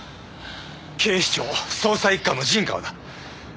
警視庁捜査一課の陣川だ。